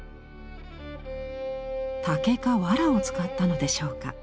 竹かわらを使ったのでしょうか。